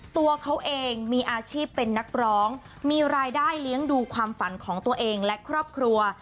ตัวเขาเองมีอาชีพเป็นนักร้องมีรายได้เลี้ยงดูความฝันของตัวเองและครอบครัว